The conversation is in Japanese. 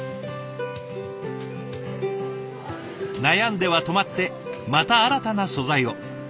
悩んでは止まってまた新たな素材を。